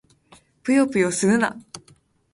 ぷよぷよするな！